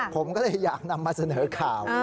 ผมก็เลยอยากนำมาเสนอข่าว